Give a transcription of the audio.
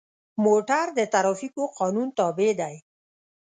موټر د ټرافیکو قانون تابع دی.